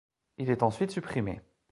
Il est ensuite supprimé.